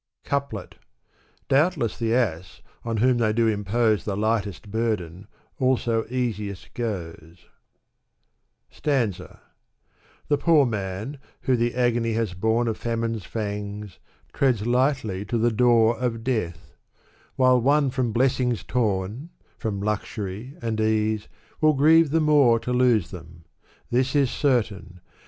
* Couplet, Doubtless the ass, on which they do impose The lightest burthen, also easiest goes. Stanza, The poor man, who the agony has borne Of famine's pangs, treads lightly to the door Digitized by Google y i ^^M&^^s^k'^^^^&^^h^M^m 304 Sa'M. Of death. While one from blessings torn — From luxury and ease — will grieve the more To lose them. . This is certain.